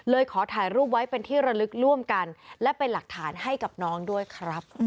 ขอถ่ายรูปไว้เป็นที่ระลึกร่วมกันและเป็นหลักฐานให้กับน้องด้วยครับ